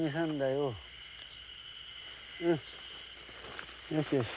うんよしよし。